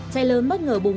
chai lớn bất ngờ bùng sông